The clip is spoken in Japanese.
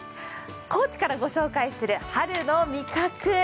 高知からご紹介する春の味覚。